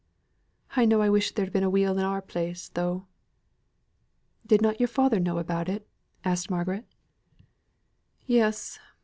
I know I wish there'd been a wheel in our place, though." "Did not your father know about it?" asked Margaret. "Yes!